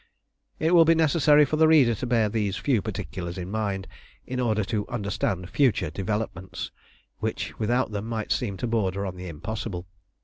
It will be necessary for the reader to bear these few particulars in mind in order to understand future developments, which, without them, might seem to border on the impossible.